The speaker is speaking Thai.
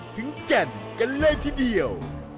แก่นกันเลยทีเดียว